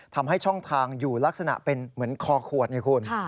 ทำให้ช่องทางอยู่ลักษณะเป็นเหมือนคอขวดไงคุณ